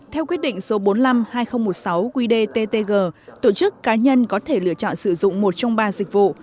theo quyết định số bốn trăm năm mươi hai nghìn một mươi sáu quy đề ttg tổ chức cá nhân có thể lựa chọn sử dụng một trong ba dịch vụ